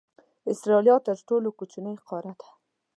استرالیا تر ټولو کوچنۍ قاره ده.